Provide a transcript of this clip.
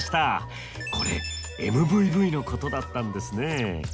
これＭＶＶのことだったんですね。